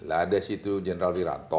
ada sih itu general viranto